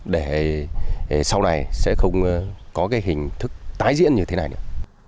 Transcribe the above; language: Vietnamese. để sau này sẽ không có cái hình thức tái diễn như thế này nữa